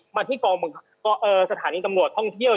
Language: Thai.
มาที่กองสถานีตำรวจท่องเที่ยว